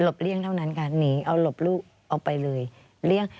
เลี่ยงเท่านั้นค่ะหนีเอาหลบลูกเอาไปเลยเลี่ยง